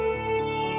j tracking di ruang